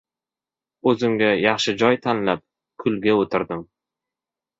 • O‘zimga yaxshi joy tanlab, kulga o‘tirdim.